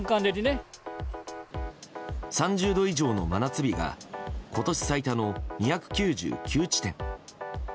３０度以上の真夏日が今年最多の２９９地点。